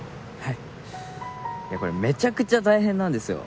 いやこれめちゃくちゃ大変なんですよ。